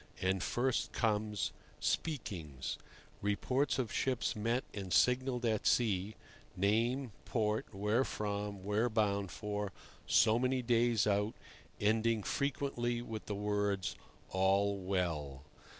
And first comes "Speakings"—reports of ships met and signalled at sea, name, port, where from, where bound for, so many days out, ending frequently with the words "All well."